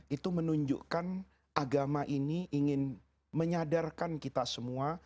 itu menunjukkan agama ini ingin menyadarkan kita semua